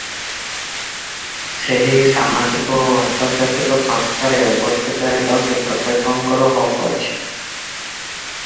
ସେହି ସାମାଜିକ ଓ ଆନ୍ତର୍ଜାତିକ ସଂସ୍ଥାରେ ଅବସ୍ଥିତ ହେବାକୁ ପ୍ରତ୍ୟେକଙ୍କର ହକ ଅଛି ।